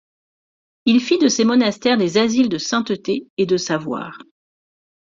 Il fit de ces monastères des asiles de sainteté et de savoir.